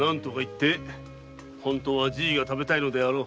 本当はじぃが食べたいのであろう。